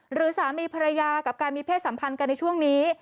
หรือสามีภรรยากับการมีเพศสัมพันธ์กันในช่วงนี้